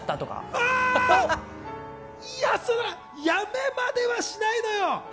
あやめまではしないのよ。